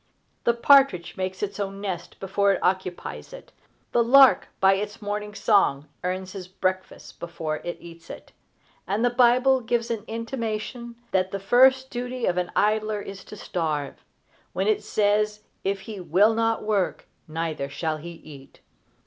The partridge makes its own nest before it occupies it. The lark, by its morning song, earns its breakfast before it eats it; and the Bible gives an intimation that the first duty of an idler is to starve, when it says if he "will not work, neither shall he eat."